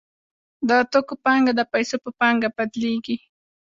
د توکو پانګه د پیسو په پانګه بدلېږي